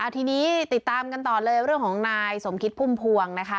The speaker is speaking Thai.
ทีนี้ติดตามกันต่อเลยเรื่องของนายสมคิดพุ่มพวงนะคะ